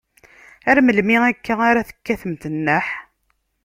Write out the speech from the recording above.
Ar melmi akka ara tekkatemt nneḥ?